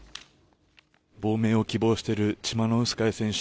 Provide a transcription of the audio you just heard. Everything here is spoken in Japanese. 亡命を希望しているチマノウスカヤ選手